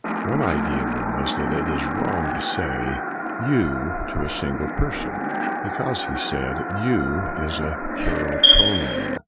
One idea was that it is wrong to say " you ' to a single person. Because, he said, " you ' is a plural pronoun.